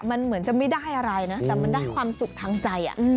มันเหมือนจะไม่ได้อะไรนะแต่มันได้ความสุขทางใจ